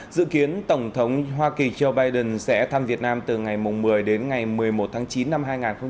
dự kiến tổng thống hoa kỳ joe biden sẽ thăm việt nam từ ngày một mươi đến ngày một mươi một tháng chín năm hai nghìn hai mươi